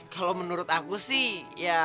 kalau menurut aku sih